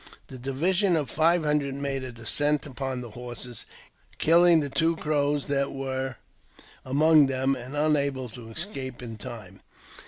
The division of five hundred made a descent upon the ho: killing the two Crows that were among them, and unable to escape in time.